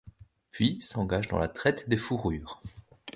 Puis s’engage dans la traite des fourrures.